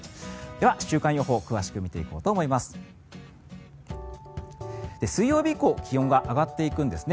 では、週間予報を詳しく見ていこうと思います。